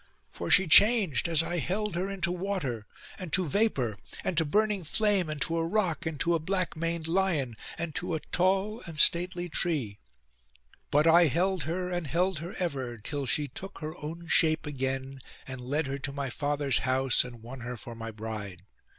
For she changed, as I held her, into water, and to vapour, and to burning flame, and to a rock, and to a black maned lion, and to a tall and stately tree. But I held her and held her ever, till she took her own shape again, and led her to my father's house, and won her for my bride.